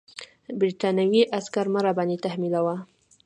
برټانوي عسکر مه راباندې تحمیلوه.